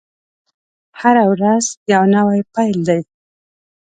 هره ورځ يو نوی پيل دی.